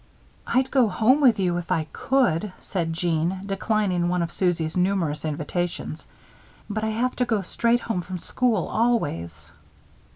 "I'd go home with you if I could," said Jeanne, declining one of Susie's numerous invitations, "but I have to go straight home from school, always."